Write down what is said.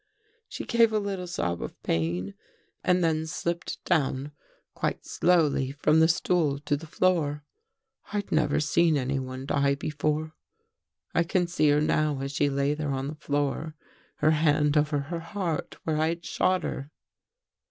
" She gave a little sob of pain and then slipped down quite slowly from the stool to the floor. I'd never seen anyone die before. I can see her now as she lay there on the floor — her hand over her heart where I had shot her."